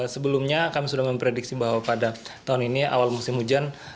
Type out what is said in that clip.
sebelumnya kami sudah memprediksi bahwa pada tahun ini awal musim hujan